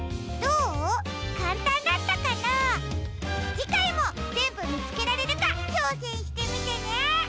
じかいもぜんぶみつけられるかちょうせんしてみてね！